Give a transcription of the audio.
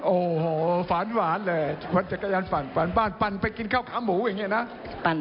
โอ้โหฝานหวานเลยปั่นจักรยานฝันฝานบ้านปั่นไปกินข้าวขาหมูอย่างนี้นะ